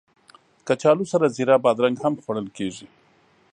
کچالو سره زېړه بادرنګ هم خوړل کېږي